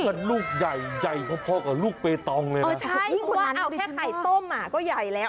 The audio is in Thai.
มันลูกใหญ่ใหญ่พอกับลูกเปตองเลยเออใช่เพราะว่าเอาแค่ไข่ต้มอ่ะก็ใหญ่แล้ว